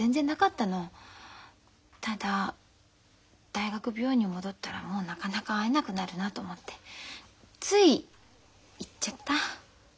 ただ大学病院に戻ったらもうなかなか会えなくなるなと思ってつい言っちゃった。